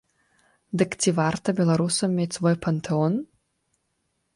Дык ці варта беларусам мець свой пантэон?